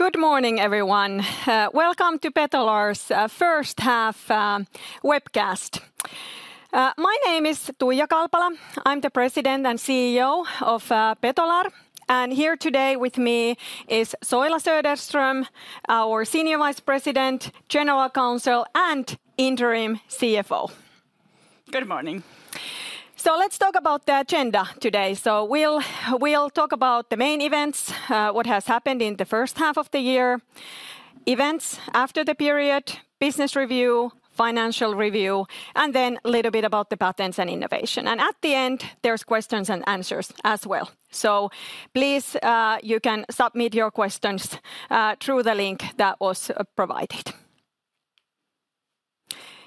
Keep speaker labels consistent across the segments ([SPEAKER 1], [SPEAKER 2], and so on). [SPEAKER 1] Good morning, everyone. Welcome to Betolar's first half webcast. My name is Tuija Kalpala. I'm the President and CEO of Betolar, and here today with me is Soila Söderström, our Senior Vice President, General Counsel, and Interim CFO.
[SPEAKER 2] Good morning.
[SPEAKER 1] So let's talk about the agenda today. So we'll talk about the main events, what has happened in the first half of the year, events after the period, business review, financial review, and then a little bit about the patents and innovation. And at the end, there's questions and answers as well. So please, you can submit your questions through the link that was provided.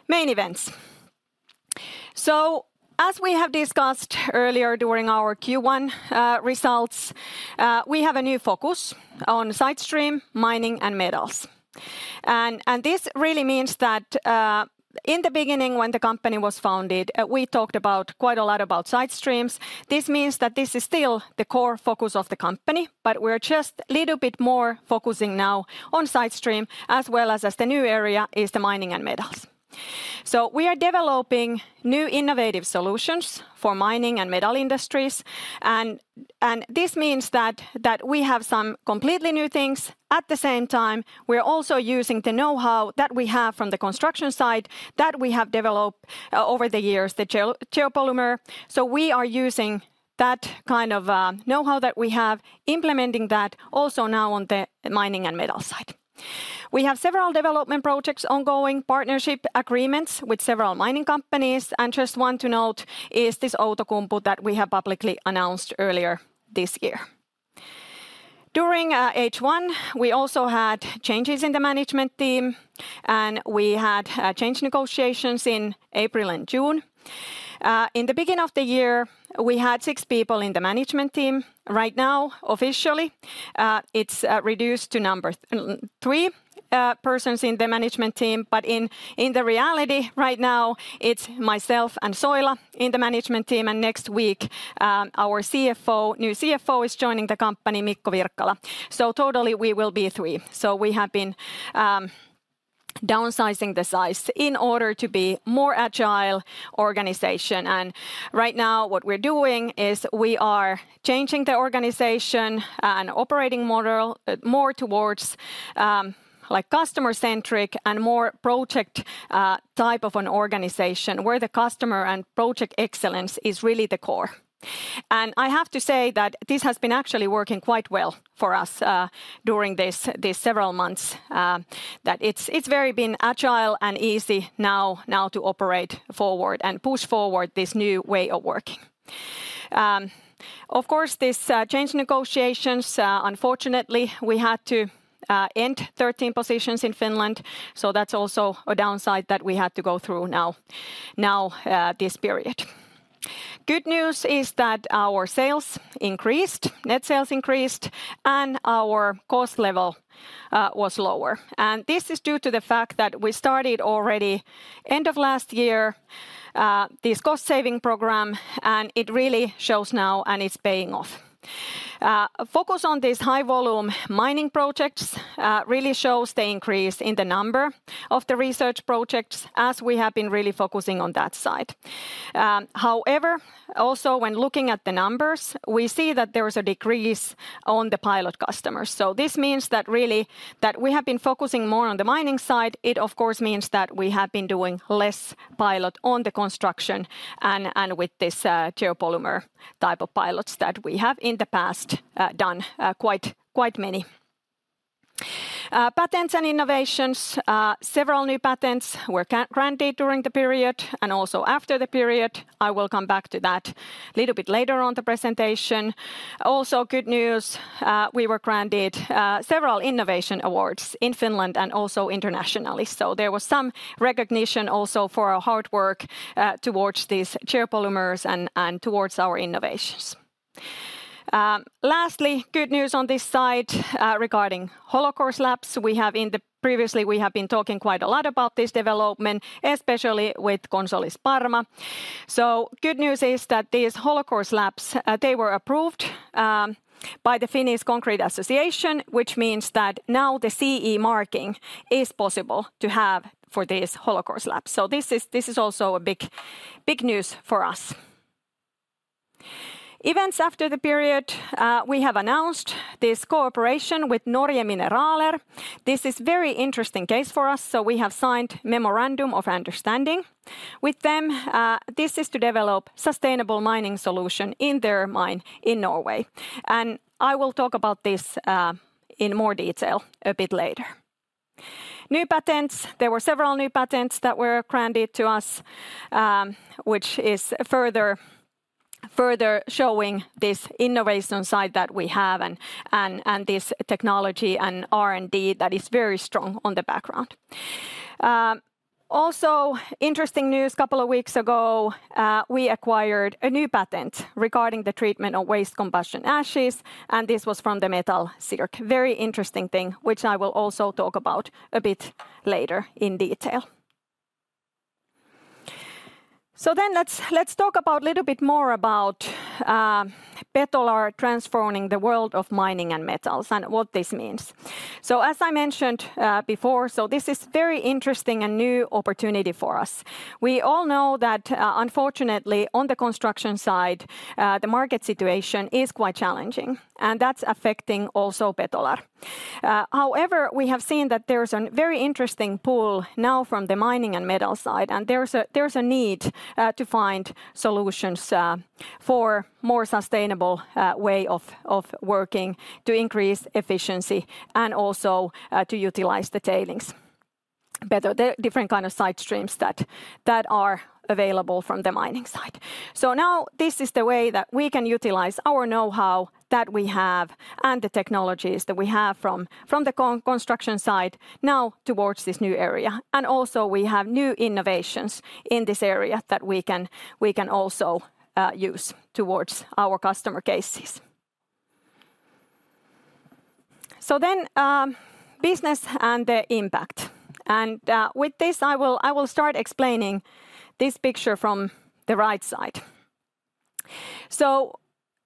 [SPEAKER 1] Main events. So as we have discussed earlier during our Q1 results, we have a new focus on sidestream mining and metals. And this really means that, in the beginning, when the company was founded, we talked quite a lot about sidestreams. This means that this is still the core focus of the company, but we're just little bit more focusing now on side stream, as well as, as the new area is the mining and metals. So we are developing new innovative solutions for mining and metal industries, and this means that we have some completely new things. At the same time, we're also using the know-how that we have from the construction side that we have developed over the years, the geopolymer. So we are using that kind of know-how that we have, implementing that also now on the mining and metals side. We have several development projects, ongoing partnership agreements with several mining companies, and just one to note is this Outokumpu that we have publicly announced earlier this year. During H1, we also had changes in the management team, and we had change negotiations in April and June. In the beginning of the year, we had six people in the management team. Right now, officially, it's reduced to number three persons in the management team. But in the reality right now, it's myself and Soila in the management team, and next week, our CFO, new CFO is joining the company, Mikko Virkkala. So totally, we will be three. So we have been downsizing the size in order to be more agile organization. And right now, what we're doing is we are changing the organization and operating model more towards like customer-centric and more project type of an organization, where the customer and project excellence is really the core. I have to say that this has been actually working quite well for us during this, these several months that it's very been agile and easy now to operate forward and push forward this new way of working. Of course, this change negotiations unfortunately, we had to end 13 positions in Finland, so that's also a downside that we had to go through now this period. Good news is that our sales increased, net sales increased, and our cost level was lower. And this is due to the fact that we started already end of last year this cost-saving program, and it really shows now, and it's paying off. Focus on these high-volume mining projects really shows the increase in the number of the research projects, as we have been really focusing on that side. However, also when looking at the numbers, we see that there is a decrease on the pilot customers, so this means that really we have been focusing more on the mining side. It of course means that we have been doing less pilot on the construction and with this, geopolymer type of pilots that we have in the past done quite many patents and innovations. Several new patents were granted during the period and also after the period. I will come back to that a little bit later on the presentation. Also, good news, we were granted several innovation awards in Finland and also internationally, so there was some recognition also for our hard work towards these geopolymers and towards our innovations. Lastly, good news on this side, regarding hollow-core slabs. Previously, we have been talking quite a lot about this development, especially with Consolis Parma. So good news is that these hollow-core slabs, they were approved by the Finnish Concrete Association, which means that now the CE marking is possible to have for these hollow-core slabs. So this is, this is also a big, big news for us. Events after the period, we have announced this cooperation with Norge Mineraler. This is very interesting case for us, so we have signed memorandum of understanding with them. This is to develop sustainable mining solution in their mine in Norway, and I will talk about this, in more detail a bit later. New patents. There were several new patents that were granted to us, which is further showing this innovation side that we have and this technology and R&D that is very strong on the background. Also, interesting news, couple of weeks ago, we acquired a new patent regarding the treatment of waste combustion ashes, and this was from the Metalsynergy. Very interesting thing, which I will also talk about a bit later in detail. So then let's talk about little bit more about Betolar transforming the world of mining and metals, and what this means. So as I mentioned before, so this is very interesting and new opportunity for us. We all know that, unfortunately, on the construction side, the market situation is quite challenging, and that's affecting also Betolar. However, we have seen that there's a very interesting pool now from the mining and metal side, and there's a need to find solutions for more sustainable way of working to increase efficiency and also to utilize the tailings better. There are different kind of side streams that are available from the mining side. So now this is the way that we can utilize our know-how that we have and the technologies that we have from the construction side now towards this new area, and also we have new innovations in this area that we can also use towards our customer cases. So then, business and the impact, and with this, I will start explaining this picture from the right side.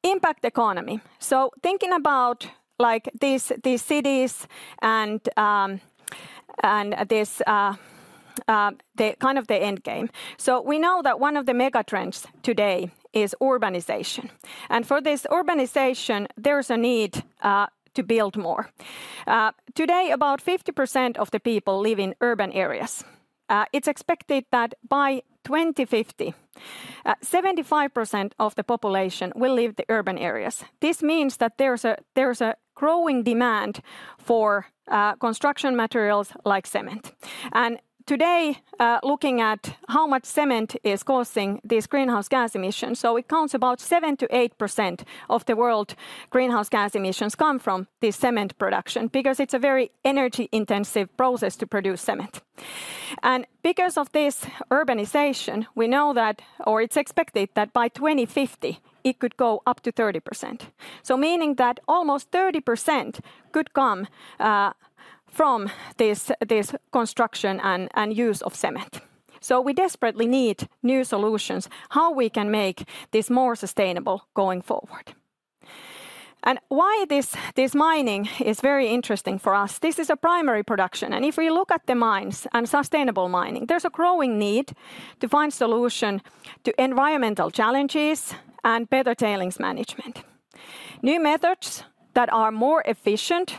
[SPEAKER 1] Impact economy: thinking about, like, these cities and this, the kind of end game. We know that one of the mega trends today is urbanization, and for this urbanization, there's a need to build more. Today, about 50% of the people live in urban areas. It's expected that by 2050, 75% of the population will leave the urban areas. This means that there's a growing demand for construction materials like cement. Today, looking at how much cement is causing these greenhouse gas emissions, it counts about 7%-8% of the world greenhouse gas emissions come from this cement production, because it's a very energy-intensive process to produce cement. Because of this urbanization, we know that, or it's expected that by 2050, it could go up to 30%. Meaning that almost 30% could come from this construction and use of cement. We desperately need new solutions, how we can make this more sustainable going forward. Why is this mining very interesting for us? This is a primary production, and if we look at the mines and sustainable mining, there's a growing need to find solution to environmental challenges and better tailings management. New methods that are more efficient,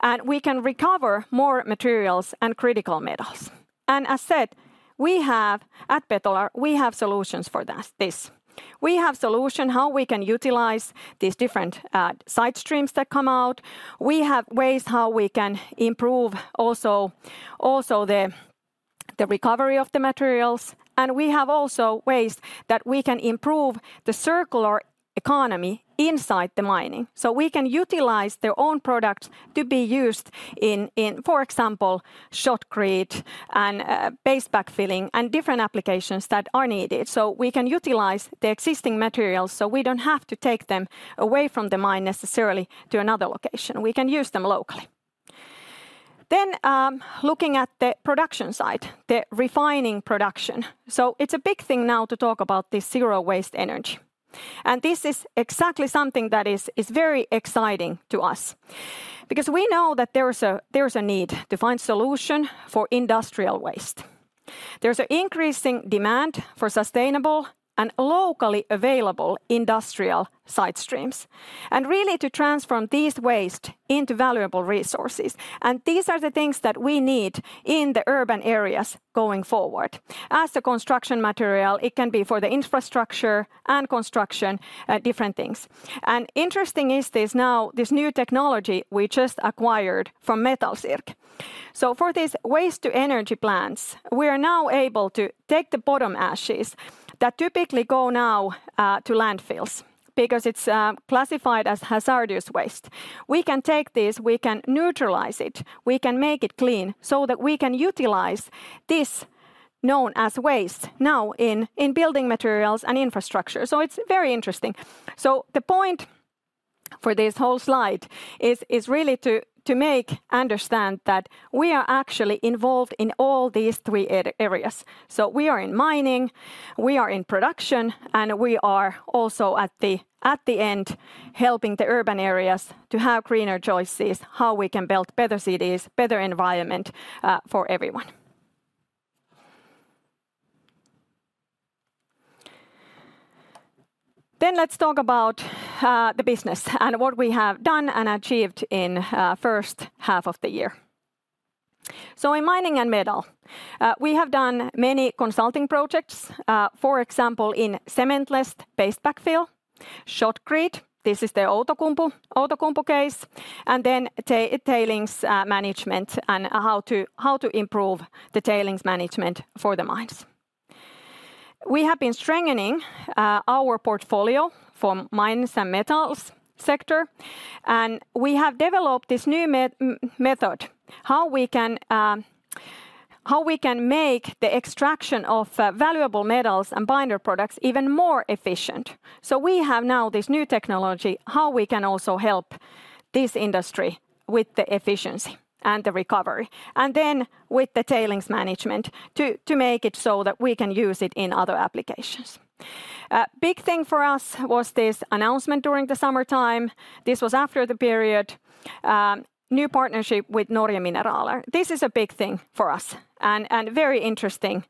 [SPEAKER 1] and we can recover more materials and critical metals. As said, we have at Betolar solutions for this. We have solution how we can utilize these different side streams that come out. We have ways how we can improve also the recovery of the materials, and we have also ways that we can improve the circular economy inside the mining. So we can utilize their own products to be used in, for example, shotcrete and base backfilling, and different applications that are needed. So we can utilize the existing materials, so we don't have to take them away from the mine necessarily to another location. We can use them locally. Then, looking at the production side, the refining production. So it's a big thing now to talk about this waste-to-energy, and this is exactly something that is very exciting to us. Because we know that there is a need to find solution for industrial waste. There's an increasing demand for sustainable and locally available industrial side streams, and really to transform this waste into valuable resources, and these are the things that we need in the urban areas going forward. As a construction material, it can be for the infrastructure and construction, different things, and interesting is this now, this new technology we just acquired from Metalsynergy, so for these waste-to-energy plants, we are now able to take the bottom ashes that typically go now, to landfills, because it's, classified as hazardous waste. We can take this, we can neutralize it, we can make it clean, so that we can utilize this, known as waste, now in building materials and infrastructure, so it's very interesting, so the point for this whole slide is really to make understand that we are actually involved in all these three areas. So we are in mining, we are in production, and we are also at the end, helping the urban areas to have greener choices, how we can build better cities, better environment, for everyone. Then let's talk about the business and what we have done and achieved in first half of the year. So in mining and metal we have done many consulting projects, for example, in cement-less base backfill, shotcrete, this is the Outokumpu case, and then tailings management and how to improve the tailings management for the mines. We have been strengthening our portfolio for mines and metals sector, and we have developed this new method, how we can make the extraction of valuable metals and binder products even more efficient. So we have now this new technology, how we can also help this industry with the efficiency and the recovery, and then with the tailings management, to make it so that we can use it in other applications. Big thing for us was this announcement during the summertime. This was after the period, new partnership with Norge Mineraler. This is a big thing for us and very interesting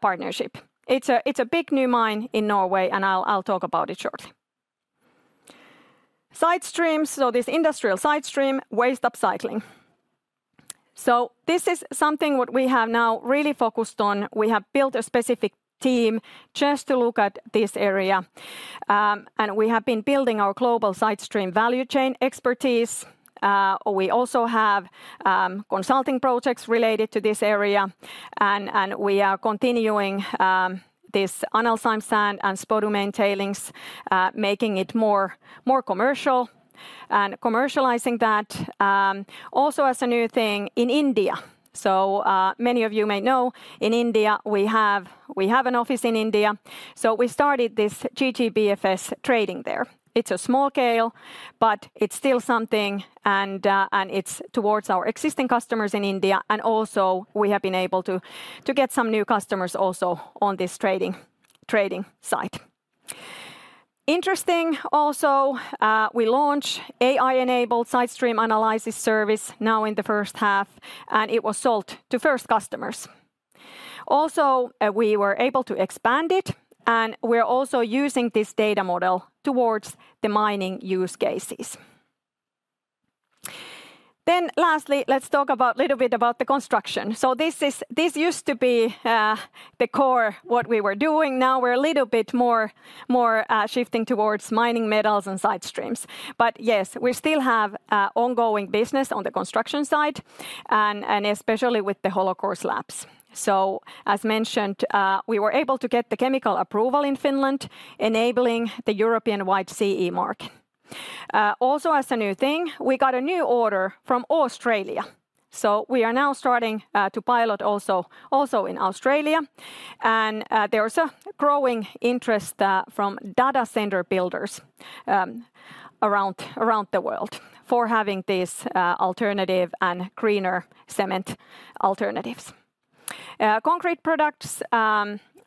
[SPEAKER 1] partnership. It's a big new mine in Norway, and I'll talk about it shortly. Side streams, so this industrial side stream, waste upcycling. This is something what we have now really focused on. We have built a specific team just to look at this area, and we have been building our global side stream value chain expertise. We also have consulting projects related to this area, and we are continuing this Analcime sand and spodumene tailings, making it more commercial and commercializing that. Also as a new thing in India, so many of you may know, in India, we have an office in India, so we started this GGBFS trading there. It's a small scale, but it's still something, and it's towards our existing customers in India, and also we have been able to get some new customers also on this trading side. Interesting also, we launched AI-enabled side stream analysis service now in the first half, and it was sold to first customers. Also, we were able to expand it, and we're also using this data model towards the mining use cases. Then lastly, let's talk about little bit about the construction. So, this is, this used to be the core, what we were doing. Now, we're a little bit more shifting towards mining metals and side streams, but yes, we still have ongoing business on the construction side, and especially with the hollow-core slabs, so as mentioned, we were able to get the chemical approval in Finland, enabling the European-wide CE mark. Also as a new thing, we got a new order from Australia, so we are now starting to pilot also in Australia, and there is a growing interest from data center builders around the world for having this alternative and greener cement alternatives. Concrete products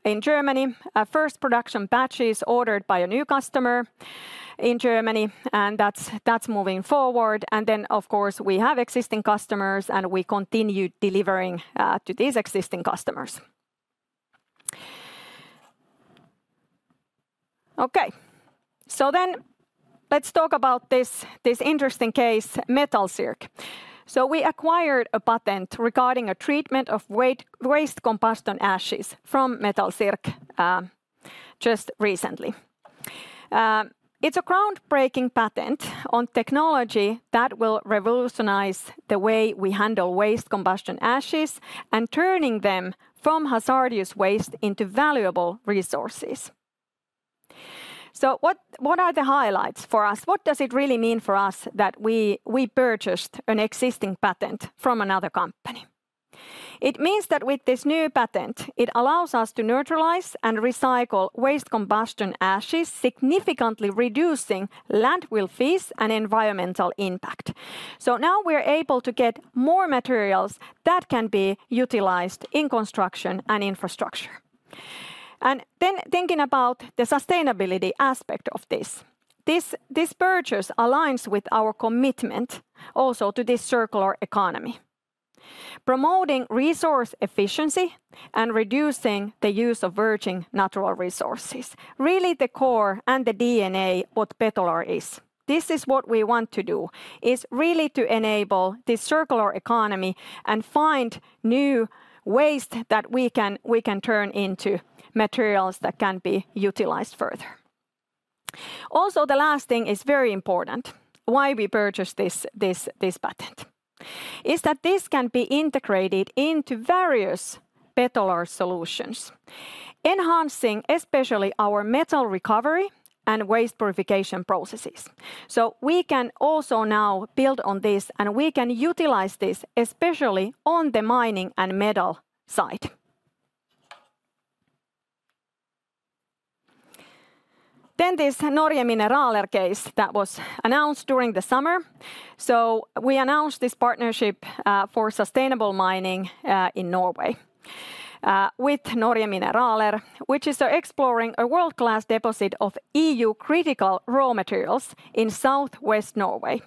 [SPEAKER 1] in Germany, first production batch is ordered by a new customer in Germany, and that's moving forward, and then, of course, we have existing customers, and we continue delivering to these existing customers. Okay, so then let's talk about this interesting case, Metalsynergy. So we acquired a patent regarding a treatment of waste combustion ashes from Metalsynergy just recently. It's a groundbreaking patent on technology that will revolutionize the way we handle waste combustion ashes and turning them from hazardous waste into valuable resources. So what are the highlights for us? What does it really mean for us that we purchased an existing patent from another company? It means that with this new patent, it allows us to neutralize and recycle waste combustion ashes, significantly reducing landfill fees and environmental impact. So now we're able to get more materials that can be utilized in construction and infrastructure. And then thinking about the sustainability aspect of this purchase aligns with our commitment also to this circular economy, promoting resource efficiency and reducing the use of virgin natural resources. Really, the core and the DNA, what Betolar is. This is what we want to do, is really to enable this circular economy and find new waste that we can turn into materials that can be utilized further. Also, the last thing is very important, why we purchased this patent, is that this can be integrated into various Betolar solutions, enhancing especially our metal recovery and waste purification processes. So we can also now build on this, and we can utilize this, especially on the mining and metal side. Then this Norge Mineraler case that was announced during the summer. So we announced this partnership for sustainable mining in Norway with Norge Mineraler, which is exploring a world-class deposit of EU critical raw materials in southwest Norway.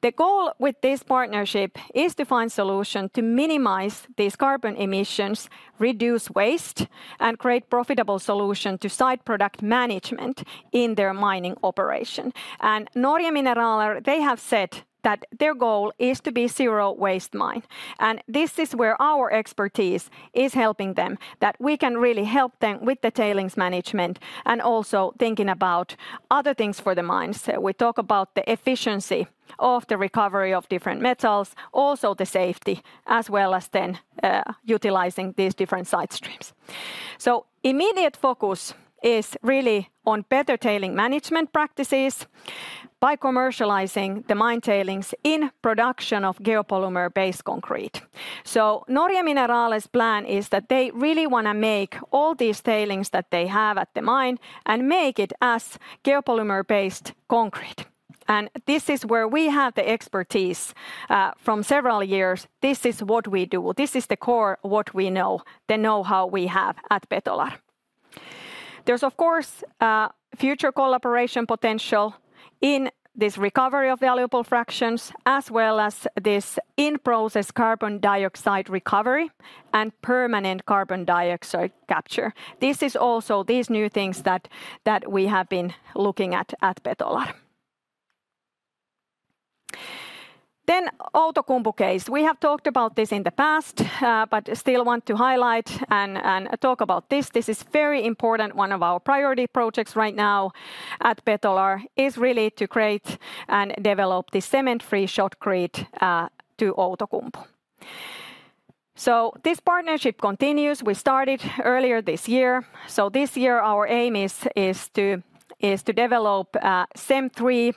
[SPEAKER 1] The goal with this partnership is to find solution to minimize these carbon emissions, reduce waste, and create profitable solution to side stream management in their mining operation. And Norge Mineraler, they have said that their goal is to be zero waste mine, and this is where our expertise is helping them, that we can really help them with the tailings management and also thinking about other things for the mines. We talk about the efficiency of the recovery of different metals, also the safety, as well as then utilizing these different side streams.... So immediate focus is really on better tailings management practices by commercializing the mine tailings in production of geopolymer-based concrete. Norja Mineraler's plan is that they really wanna make all these tailings that they have at the mine, and make it as geopolymer-based concrete. And this is where we have the expertise from several years. This is what we do. This is the core what we know, the know-how we have at Betolar. There's, of course, a future collaboration potential in this recovery of valuable fractions, as well as this in-process carbon dioxide recovery and permanent carbon dioxide capture. This is also these new things that we have been looking at at Betolar. Outokumpu case. We have talked about this in the past, but still want to highlight and talk about this. This is very important. One of our priority projects right now at Betolar is really to create and develop this cement-free shotcrete to Outokumpu. This partnership continues. We started earlier this year, so this year our aim is to develop cement-free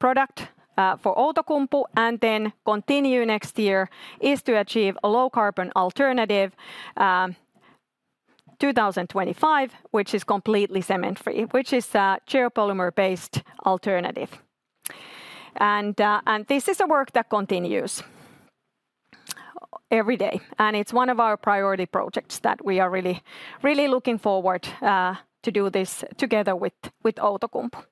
[SPEAKER 1] product for Outokumpu, and then continue next year is to achieve a low-carbon alternative two thousand twenty-five, which is completely cement-free, which is a geopolymer-based alternative. This is a work that continues every day, and it's one of our priority projects that we are really, really looking forward to do this together with Outokumpu.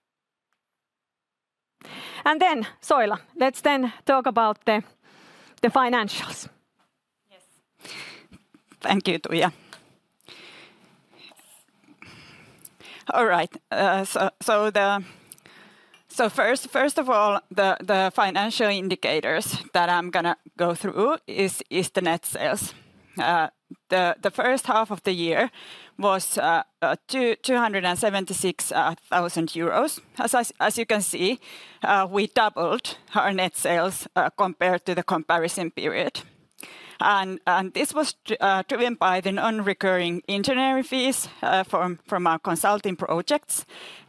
[SPEAKER 1] Then, Soila, let's then talk about the financials.
[SPEAKER 2] Yes. Thank you, Tuija. All right, so first of all, the financial indicators that I'm gonna go through is the net sales. The first half of the year was 276 thousand EUR. As you can see, we doubled our net sales compared to the comparison period. And this was driven by the non-recurring engineering fees from our consulting projects,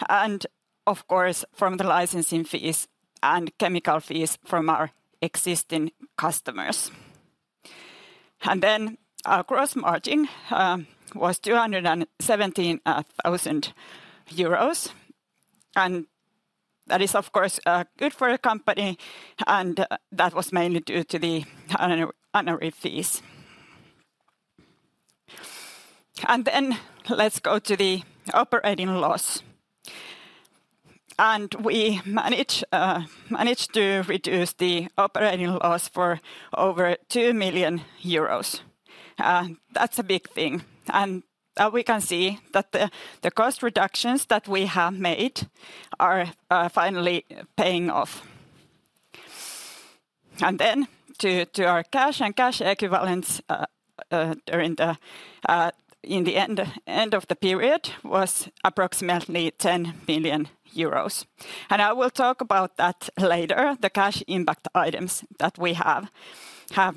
[SPEAKER 2] and of course, from the licensing fees and chemical fees from our existing customers. And then our gross margin was 217 thousand euros, and that is, of course, good for a company, and that was mainly due to the honorary fees. And then let's go to the operating loss. We managed to reduce the operating loss for over 2 million euros. That's a big thing, and we can see that the cost reductions that we have made are finally paying off. To our cash and cash equivalents, during the in the end of the period was approximately 10 billion euros, and I will talk about that later, the cash impact items that we have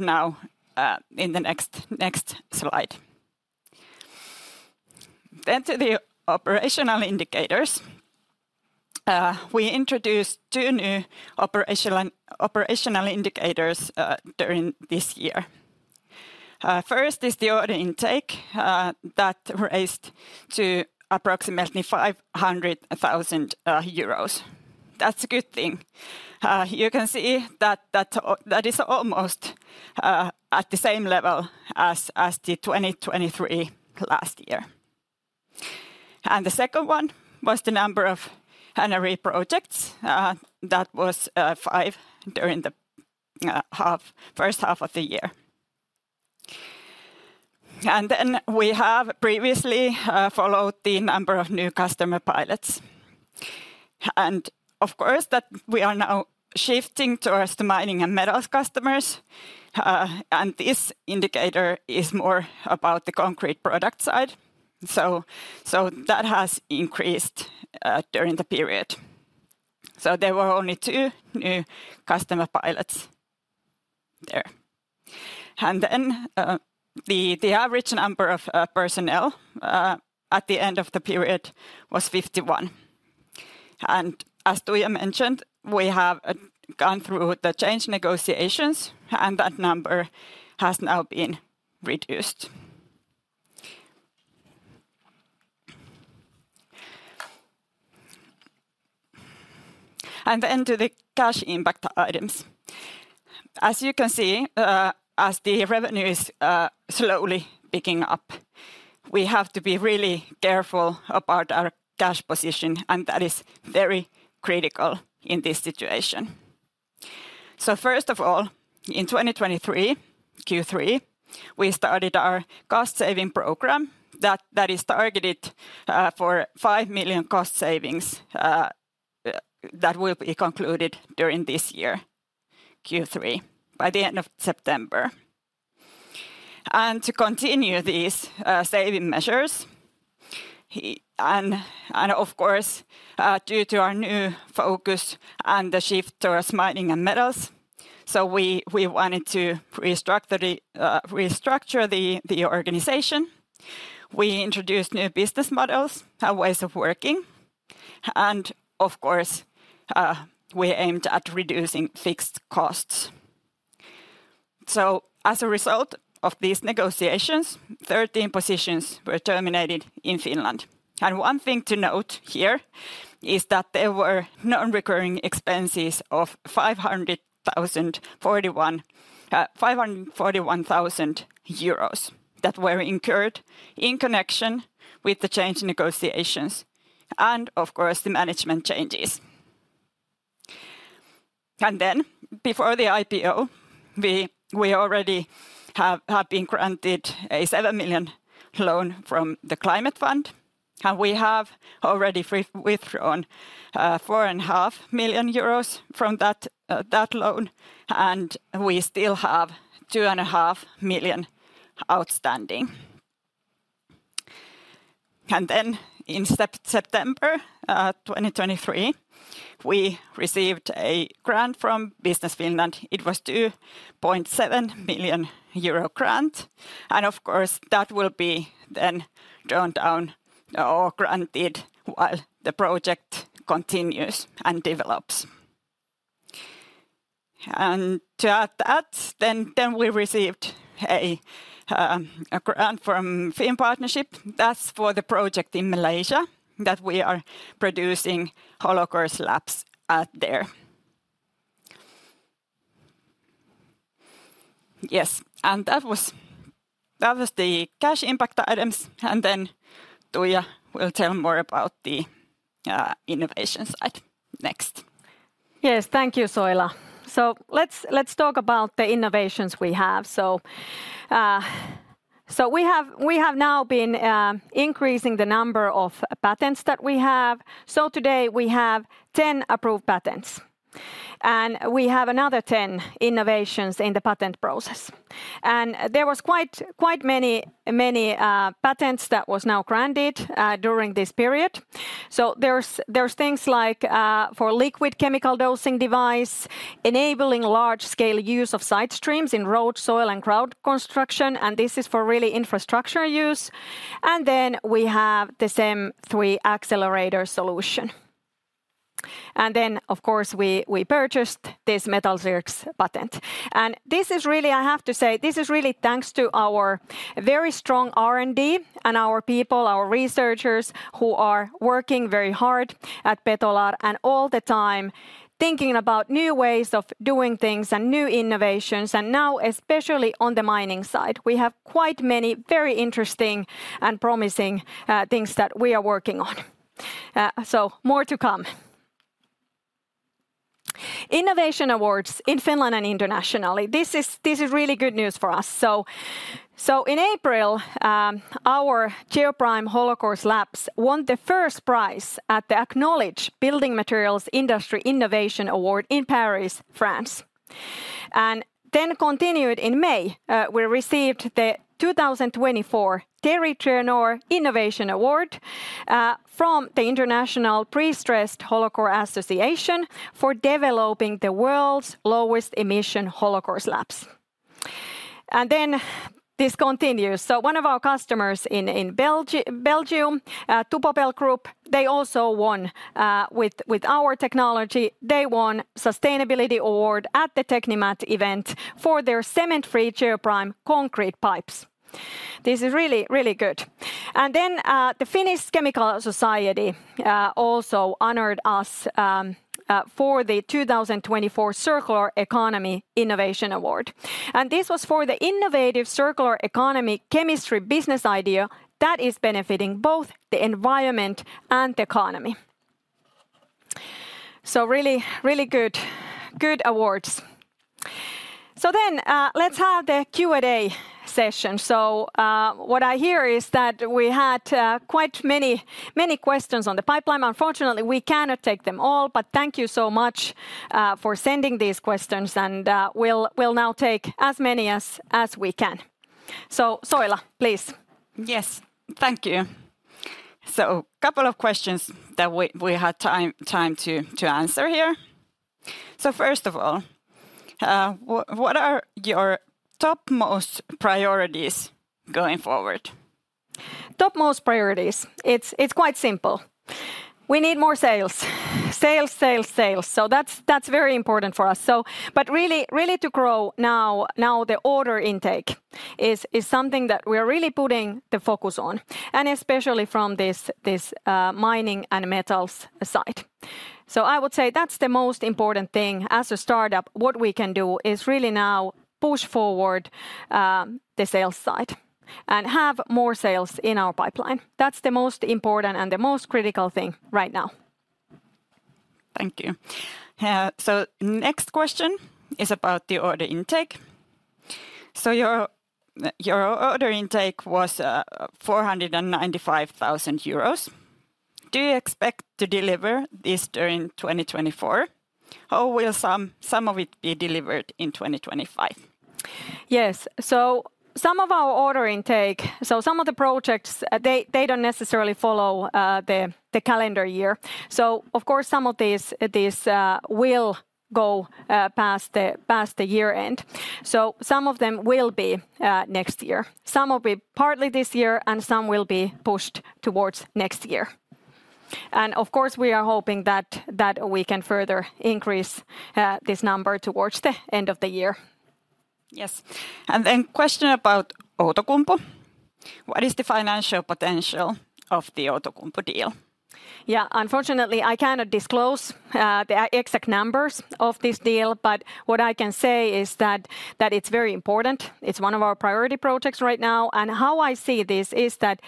[SPEAKER 2] now in the next slide. To the operational indicators. We introduced two new operational indicators during this year. First is the order intake that raised to approximately 500,000 euros. That's a good thing. You can see that that is almost at the same level as the 2023 last year. And the second one was the number of honorary projects. That was five during the first half of the year. And then we have previously followed the number of new customer pilots. And of course, that we are now shifting towards the mining and metals customers, and this indicator is more about the concrete product side. So that has increased during the period. So there were only two new customer pilots there. And then the average number of personnel at the end of the period was fifty-one. And as Tuija mentioned, we have gone through the change negotiations, and that number has now been reduced. And then to the cash impact items. As you can see, as the revenue is slowly picking up, we have to be really careful about our cash position, and that is very critical in this situation, so first of all, in twenty twenty-three Q3, we started our cost-saving program that is targeted for 5 million cost savings that will be concluded during this year Q3, by the end of September, and to continue these saving measures, and of course due to our new focus and the shift towards mining and metals, so we wanted to restructure the organization. We introduced new business models and ways of working, and of course we aimed at reducing fixed costs, so as a result of these negotiations, 13 positions were terminated in Finland. One thing to note here is that there were non-recurring expenses of 541,000 euros that were incurred in connection with the change in negotiations, and of course, the management changes. Before the IPO, we already have been granted a 7 million loan from the Climate Fund, and we have already withdrawn 4.5 million euros from that loan, and we still have 2.5 million outstanding. In September 2023, we received a grant from Business Finland. It was 2.7 million euro grant, and of course, that will be then drawn down or granted while the project continues and develops. To add to that, we received a grant from Finnpartnership. That's for the project in Malaysia, that we are producing hollow-core slabs out there. Yes, and that was, that was the cash impact items, and then Tuija will tell more about the innovation side next.
[SPEAKER 1] Yes, thank you, Soila. So let's talk about the innovations we have. So we have now been increasing the number of patents that we have. So today, we have 10 approved patents, and we have another 10 innovations in the patent process. And there was quite many patents that was now granted during this period. So there's things like for liquid chemical dosing device, enabling large-scale use of side streams in road, soil, and ground construction, and this is for really infrastructure use, and then we have the same three accelerator solution. And then, of course, we purchased this Metalsynergy patent. And this is really... I have to say, this is really thanks to our very strong R&D and our people, our researchers, who are working very hard at Betolar, and all the time thinking about new ways of doing things and new innovations, and now especially on the mining side. We have quite many very interesting and promising things that we are working on. So more to come. Innovation awards in Finland and internationally, this is really good news for us. So in April, our Geoprime hollow-core slabs won the first prize at the Acknowledge Building Materials Industry Innovation Award in Paris, France. And then continued in May, we received the 2024 Terry Treanor Innovation Award from the International Prestressed Hollowcore Association for developing the world's lowest emission hollow-core slabs. And then this continues. One of our customers in Belgium, TuboBel Group, they also won with our technology. They won Sustainability Award at the Techni-Mat event for their cement-free Geoprime concrete pipes. This is really, really good. And then, the Finnish Chemical Society also honored us for the 2024 Circular Economy Innovation Award, and this was for the innovative circular economy chemistry business idea that is benefiting both the environment and the economy. So really, really good, good awards. So then, let's have the Q&A session. So, what I hear is that we had quite many questions on the pipeline. Unfortunately, we cannot take them all, but thank you so much for sending these questions, and, we'll now take as many as we can. Soila, please.
[SPEAKER 2] Yes. Thank you. So couple of questions that we had time to answer here. So first of all, what are your topmost priorities going forward?
[SPEAKER 1] Topmost priorities, it's quite simple. We need more sales. Sales, sales, sales, so that's very important for us, so. But really to grow, the order intake is something that we're really putting the focus on, and especially from this mining and metals side. So I would say that's the most important thing. As a startup, what we can do is really now push forward the sales side and have more sales in our pipeline. That's the most important and the most critical thing right now.
[SPEAKER 2] Thank you, so next question is about the order intake. So your order intake was 495,000 euros. Do you expect to deliver this during 2024, or will some of it be delivered in 2025?
[SPEAKER 1] Yes, so some of our order intake, so some of the projects, they don't necessarily follow the calendar year. So of course, some of these will go past the year end. So some of them will be next year. Some will be partly this year, and some will be pushed towards next year. And of course, we are hoping that we can further increase this number towards the end of the year.
[SPEAKER 2] Yes, and then question about Outokumpu. What is the financial potential of the Outokumpu deal?
[SPEAKER 1] Yeah, unfortunately, I cannot disclose the exact numbers of this deal, but what I can say is that it's very important. It's one of our priority projects right now, and how I see this is that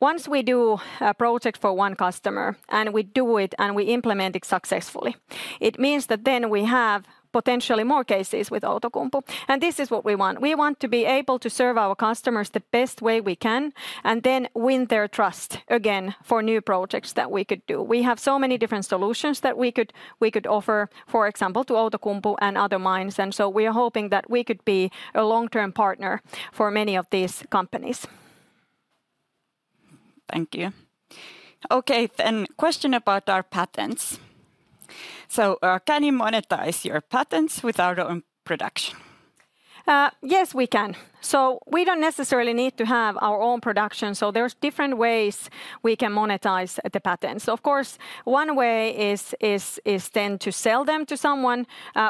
[SPEAKER 1] once we do a project for one customer, and we do it, and we implement it successfully, it means that then we have potentially more cases with Outokumpu, and this is what we want. We want to be able to serve our customers the best way we can and then win their trust again for new projects that we could do. We have so many different solutions that we could offer, for example, to Outokumpu and other mines, and so we are hoping that we could be a long-term partner for many of these companies.
[SPEAKER 2] Thank you. Okay, then question about our patents. So, can you monetize your patents without own production?
[SPEAKER 1] Yes, we can. So we don't necessarily need to have our own production, so there's different ways we can monetize the patents. Of course, one way is then to sell them to someone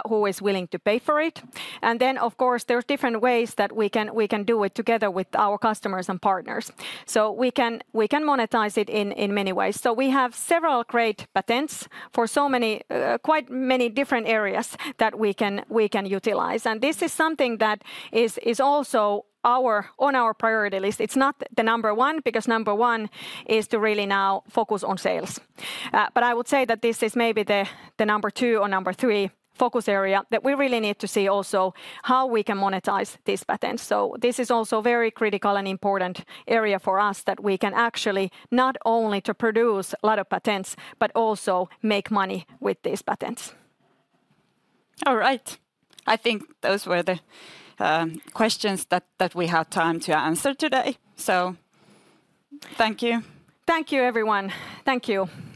[SPEAKER 1] who is willing to pay for it. And then, of course, there's different ways that we can do it together with our customers and partners. So we can monetize it in many ways. So we have several great patents for so many quite many different areas that we can utilize, and this is something that is also on our priority list. It's not the number one, because number one is to really now focus on sales. But I would say that this is maybe the number two or number three focus area, that we really need to see also how we can monetize these patents. So this is also very critical and important area for us that we can actually not only to produce a lot of patents but also make money with these patents.
[SPEAKER 2] All right. I think those were the questions that we have time to answer today, so thank you.
[SPEAKER 1] Thank you, everyone. Thank you.